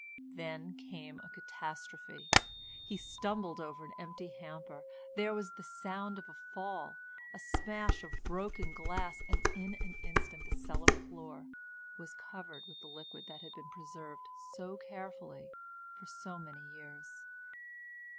Then came a catastrophe. He stumbled over an empty hamper; there was the sound of a fall—a smash of broken glass, and in an instant the cellar floor was covered with the liquid that had been preserved so carefully for so many years.